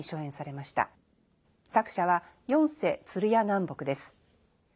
作者は四世鶴屋南北です。